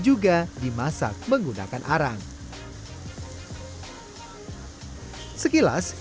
bergeser sedikit ke kawasan alam sutera tangerang selatan